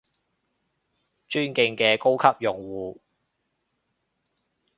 尊敬嘅高級用戶